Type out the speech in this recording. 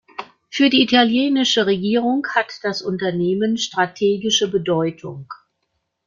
Für die italienische Regierung hat das Unternehmen strategische Bedeutung.